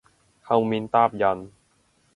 後面搭人